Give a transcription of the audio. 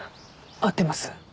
合ってます。